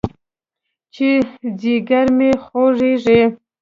چې ځيگر مې خوږېږي.